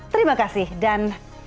terima kasih dan